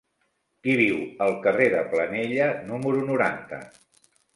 Qui viu al carrer de Planella número noranta?